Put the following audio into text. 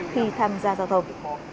khi tham gia giao thông